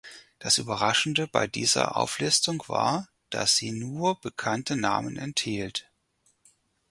Das Überraschende bei dieser Auflistung war, dass sie nur bekannte Namen enthielt.